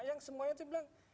yang semuanya itu bilang